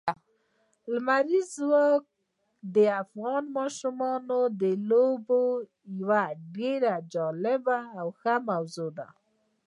لمریز ځواک د افغان ماشومانو د لوبو یوه ډېره جالبه او ښه موضوع ده.